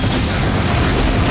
rayus rayus sensa pergi